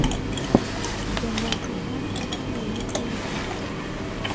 جنرال کوفمان ته یې هم یو لیک ولیکه.